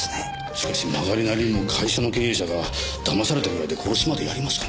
しかしまがりなりにも会社の経営者がだまされたぐらいで殺しまでやりますかね？